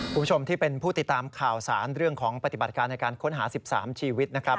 คุณผู้ชมที่เป็นผู้ติดตามข่าวสารเรื่องของปฏิบัติการในการค้นหา๑๓ชีวิตนะครับ